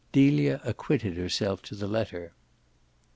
Delia acquitted herself to the letter.